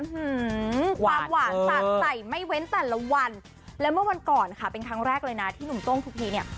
หือความหวานสาดใส่ไม่เว้นแต่ละวันและเมื่อวันก่อนค่ะเป็นครั้งแรกเลยนะที่หนุ่มโต้งทุกทีเนี่ย